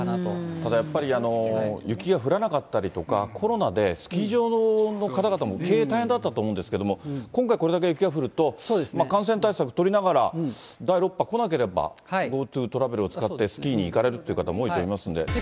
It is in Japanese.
ただやっぱり、雪が降らなかったりとか、コロナでスキー場の方々も経営大変だったと思うんですけれども、今回、これだけ雪が降ると、感染対策取りながら、第６波来なければ、ＧｏＴｏトラベルを使って、スキーに行かれるという方も多いと思いますので。